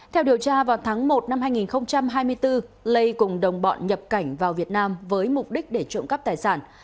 theo điều tra vào tháng một năm hai nghìn hai mươi bốn lê cùng đồng bọn nhập cảnh vào việt nam với mục đích để trộm cắp tài sản